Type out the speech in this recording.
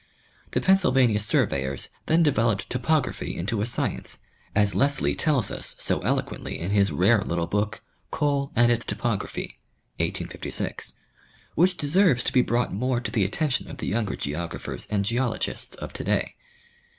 The Pennsylvania surveyors then developed topography into a science, as Lesley tells us so eloquently in his rare little book " Coal and its Topography," 1856, which deserves to be brought more to the attention of the younger geographers and geologists of to day.